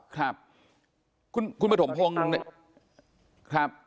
ครับคุณปฐมพงศ์ครับ